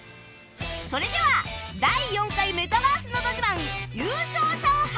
それでは第４回メタバースのど自慢優勝者を発表！